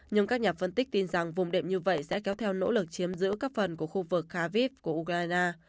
nhưng các nhà phân tích tin rằng vùng đệm như vậy sẽ kéo theo nỗ lực chiếm giữ các phần của khu vực khavip của ukraine